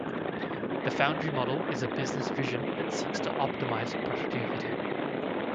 The foundry model is a business vision that seeks to optimize productivity.